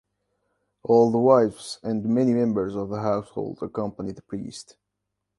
All the wives and many members of the household accompany the priest.